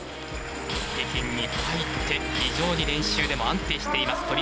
北京に入って、非常に練習でも安定しています。